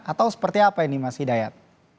atau seperti apa ini mas hidayat